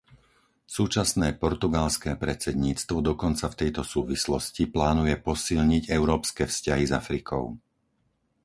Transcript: Súčasné portugalské predsedníctvo dokonca v tejto súvislosti plánuje posilniť európske vzťahy s Afrikou.